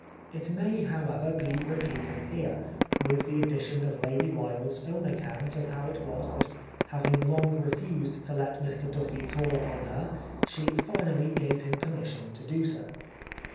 It may, however, be repeated here, with the addition of Lady Wilde's own account of how it was that having long refused to let Mr Duffy call upon her she finally gave him permission to do so.